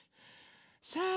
さあ